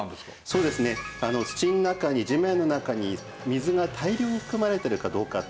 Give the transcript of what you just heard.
そうですね土の中に地面の中に水が大量に含まれているかどうかっていう違いなんですね。